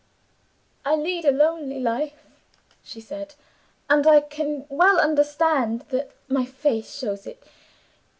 "I lead a lonely life," she said; "and I can well understand that my face shows it.